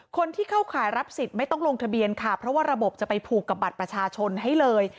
คนที่เข้าข่ายรับสิทธิ์ไม่ต้องลงทะเบียนค่ะเพราะว่าระบบจะไปผูกกับบัตรประชาชนให้เลย